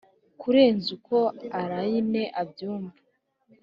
kurenza uko allayne abyumva.